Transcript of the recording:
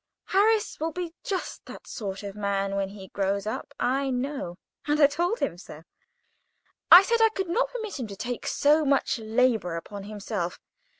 Harris will be just that sort of man when he grows up, I know, and I told him so. I said I could not permit him to take so much labour upon himself.